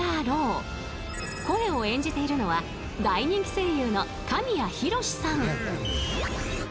［声を演じているのは大人気声優の神谷浩史さん］